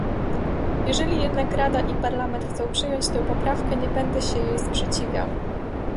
Jeżeli jednak Rada i Parlament chcą przyjąć tę poprawkę, nie będę się jej sprzeciwiał